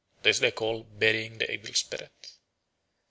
This they call burying the evil spirit.